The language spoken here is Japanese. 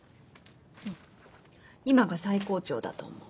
うん今が最高潮だと思う。